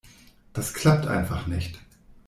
Das klappt einfach nicht!